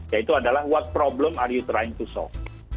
yaitu adalah what problem are you trying to solve